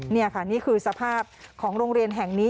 นี่ค่ะนี่คือสภาพของโรงเรียนแห่งนี้